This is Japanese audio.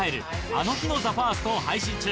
『あの日のＴＨＥＦＩＲＳＴ』を配信中